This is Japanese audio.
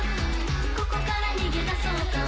ここから逃げ出そうか？